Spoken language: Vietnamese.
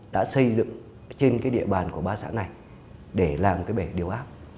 đã xây dựng trên cái địa bàn của ba xã này để làm cái bể điều áp